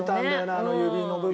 あの指の部分。